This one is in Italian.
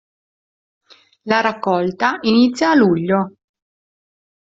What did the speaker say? La raccolta inizia a luglio.